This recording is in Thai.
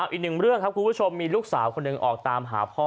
อีกหนึ่งเรื่องครับคุณผู้ชมมีลูกสาวคนหนึ่งออกตามหาพ่อ